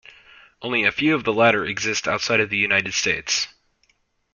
Only a few of the latter exist outside of the United States.